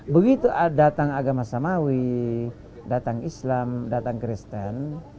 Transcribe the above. begitu datang agama samawi datang islam datang kristen